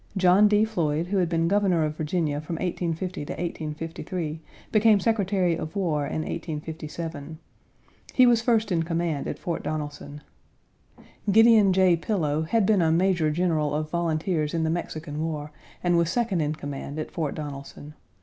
John D. Floyd, who had been Governor of Virginia from 1850 to 1853, became Secretary of War in 1857 He was first in command at Fort Donelson. Gideon J. Pillow had been a Major General of volunteers in the Mexican War and was second in command at Fort Donelson.